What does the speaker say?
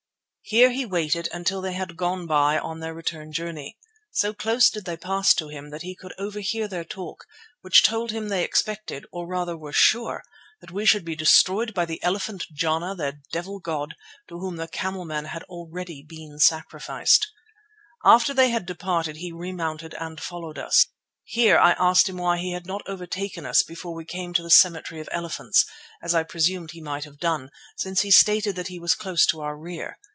Here he waited until they had gone by on their return journey. So close did they pass to him that he could overhear their talk, which told him they expected, or rather were sure, that we should be destroyed by the elephant Jana, their devil god, to whom the camelmen had been already sacrificed. After they had departed he remounted and followed us. Here I asked him why he had not overtaken us before we came to the cemetery of elephants, as I presumed he might have done, since he stated that he was close in our rear.